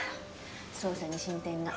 捜査に進展が。